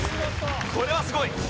これはすごい！